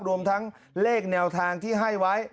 รวมทั้งเลขแนวทางที่ให้ไว้